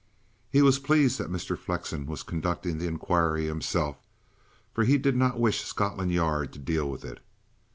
He was pleased that Mr. Flexen was conducting the inquiry himself, for he did not wish Scotland Yard to deal with it.